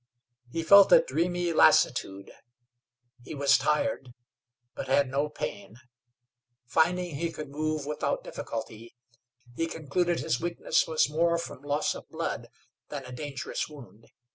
He felt a dreamy lassitude. He was tired, but had no pain. Finding he could move without difficulty, he concluded his weakness was more from loss of blood than a dangerous wound.